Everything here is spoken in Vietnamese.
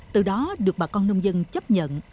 từ đó được bà con nông dân chấp nhận